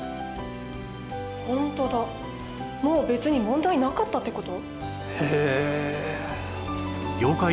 ホントだもう別に問題なかったってこと？